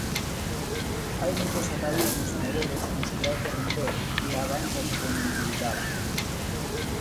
"Hai moitos atavismos e modelos nos que hai que romper e avánzase con dificultade".